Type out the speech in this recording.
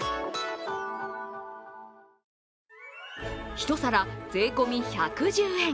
１皿税込み１１０円。